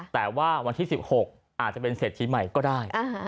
แต่ว่าวันที่๑๖อาจจะเป็นเศรษฐีใหม่ก็ได้